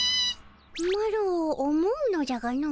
マロ思うのじゃがの。